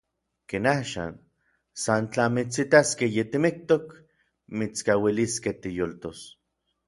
Ken axan, san tla mitsitaskej yitimiktok mitskauiliskej tiyoltos.